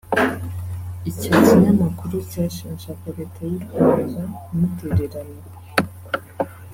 Icyo Kinyamakuru cyashinjaga Leta y’u Rwanda kumutererana